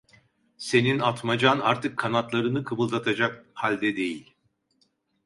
Senin Atmacan artık kanatlarını kımıldatacak halde değil!